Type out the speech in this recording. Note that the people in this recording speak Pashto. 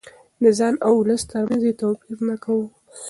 د ځان او ولس ترمنځ يې توپير نه کاوه.